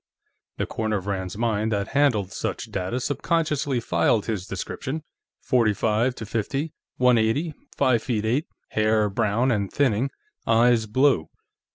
The corner of Rand's mind that handled such data subconsciously filed his description: forty five to fifty, one eighty, five feet eight, hair brown and thinning, eyes blue.